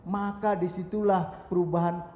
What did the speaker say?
maka disitulah perubahan